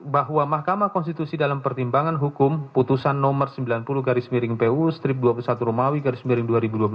bahwa mahkamah konstitusi dalam pertimbangan hukum putusan nomor sembilan puluh garis miring puu strip dua puluh satu romawi garis miring dua ribu dua belas